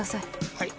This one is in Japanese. ・はい。